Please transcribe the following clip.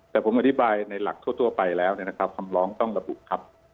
แต่ผมอธิบายในหลักทั่วไปแล้วนะครับคำร้องต้องระบุครับ